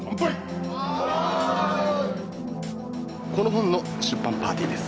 この本の出版パーティーです。